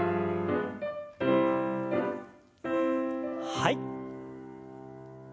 はい。